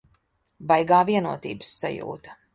Baigā vienotības sajūta.